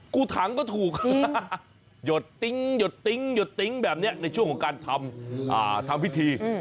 กูถังก็ถูกหยดติ๊งแบบนี้ในช่วงของการทำวิธี